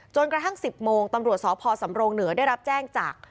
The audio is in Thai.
กระทั่ง๑๐โมงตำรวจสพสำรงเหนือได้รับแจ้งจาก